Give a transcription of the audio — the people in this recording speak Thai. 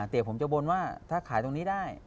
แต่ผมจะบนว่าถ้าขายตรงนี้ได้